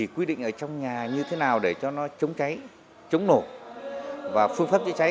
quy định ở trong nhà như thế nào để cho nó chống cháy chống nổ và phương pháp chữa cháy